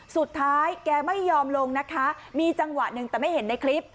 สุดท้ายแกไม่ยอมลงนะคะมีจังหวะหนึ่งแต่ไม่เห็นในคลิป